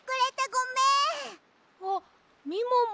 あっみもも。